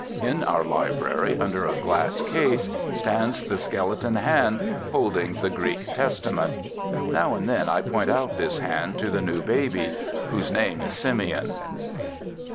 In our library, under a glass case, stands the skeleton hand holding the Greek Testament. Now and then I point out this hand to the new baby whose name is Simeon.